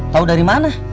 tau dari mana